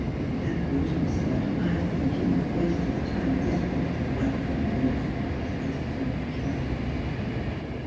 ' That will do, sir ; I think you have wasted the time of this Court quite long enough,' said Mr. Tomplin shortly.